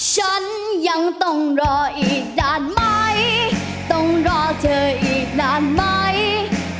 ฉันยังต้องรออีกนานไหมต้องรอเธออีกนานไหม